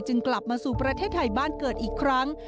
กลับมาสู่ประเทศไทยบ้านเกิดอีกครั้ง